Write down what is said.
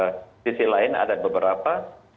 di sisi lain ada beberapa